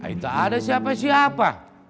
itu ada siapa siapa